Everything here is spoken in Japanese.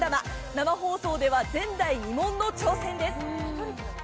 生放送では前代未聞の挑戦です。